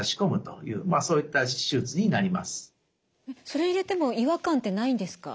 それを入れても違和感ってないんですか？